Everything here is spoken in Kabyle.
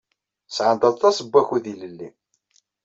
Sɛant aṭas n wakud ilelli.